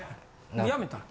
やめたん？